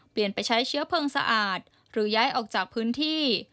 เปลี่ยนไปใช้เชื้อเพลิงสะอาดหรือย้ายออกจากพื้นที่